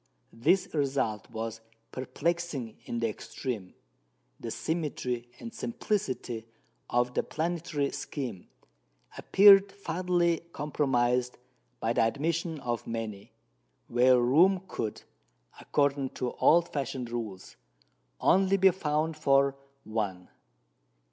This result was perplexing in the extreme. The symmetry and simplicity of the planetary scheme appeared fatally compromised by the admission of many, where room could, according to old fashioned rules, only be found for one.